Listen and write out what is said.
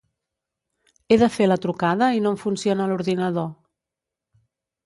He de fer la trucada i no em funciona l'ordinador.